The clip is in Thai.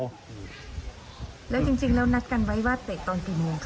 แล้วจริงแล้วนัดกันไว้ว่าเตะตอนกี่โมงคะ